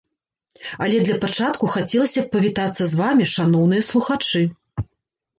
Але для пачатку хацелася б павітацца з вамі, шаноўныя слухачы!